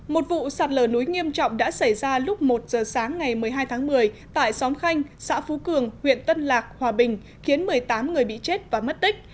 một vụ sạt lở núi nghiêm trọng đã xảy ra lúc một giờ sáng ngày một mươi hai tháng một mươi tại xóm khanh xã phú cường huyện tân lạc hòa bình khiến một mươi tám người bị chết và mất tích